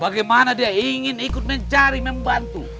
bagaimana dia ingin ikut mencari membantu